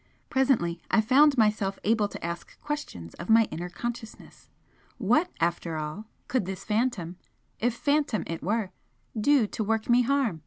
Presently I found myself able to ask questions of my inner consciousness. What, after all, could this Phantom if Phantom it were do to work me harm?